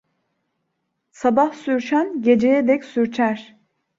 Sabah sürçen, geceye dek sürçer.